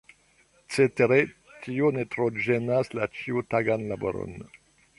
Cetere tio ne tro ĝenas la ĉiutagan laboron.